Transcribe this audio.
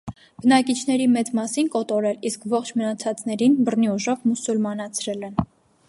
Բնակիչների մեծ մասին կոտորել, իսկ ողջ մնացածներին բռնի ուժով մուսուլմանցրել են։